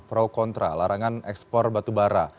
pro kontra larangan ekspor batubara